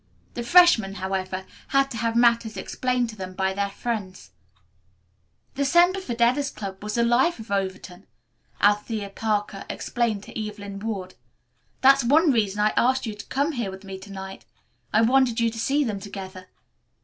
The freshmen, however, had to have matters explained to them by their friends. "That Semper Fidelis club was the life of Overton," Althea Parker explained to Evelyn Ward. "That's one reason I asked you to come here with me to night. I wanted you to see them together."